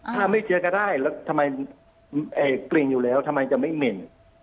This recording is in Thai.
ถ้าไม่เจอก็ได้แล้วทำไมกลิ่นอยู่แล้วทำไมจะไม่เหม็น